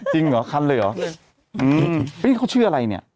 จริงเหรอคันเลยเหรออืมเอ้ยเขาชื่ออะไรเนี่ย